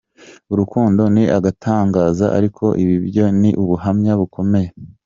Urukundo ni agatangaza ariko ibi byo ni ubuhamya bukomeye.